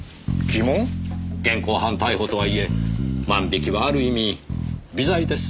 現行犯逮捕とはいえ万引きはある意味微罪です。